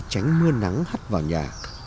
tránh mưa nắng hắt vào nhà